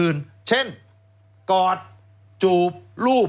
แล้วเขาก็ใช้วิธีการเหมือนกับในการ์ตูน